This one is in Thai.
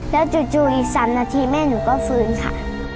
แล้วจู่อีก๓นาทีแม่หนูก็ฟื้นค่ะ